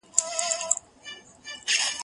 زه به سندري اورېدلي وي!.